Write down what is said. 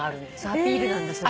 アピールなんだそれが。